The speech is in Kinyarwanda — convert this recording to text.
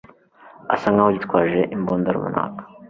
asa nkaho yitwaje imbunda runaka.